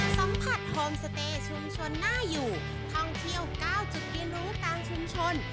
สัมผัสโฮมสเตย์ชุมชนน่าอยู่ท่องเที่ยว๙จุดเรียนรู้ตามชุมชน